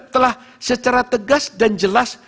telah secara tegas dan jelas